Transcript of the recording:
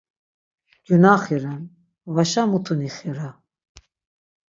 Gyunaxi ren, vaşa mutu nixira!